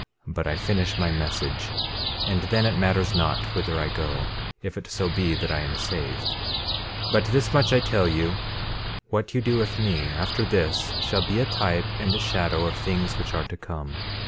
13:9 But I finish my message; and then it matters not whither I go, if it so be that I am saved. 13:10 But this much I tell you, what you do with me, after this, shall be as a type and a shadow of things which are to come.